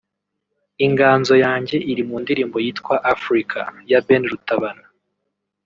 Inganzo yanjye iri mu ndirimbo yitwa “Africa” ya Ben Rutabana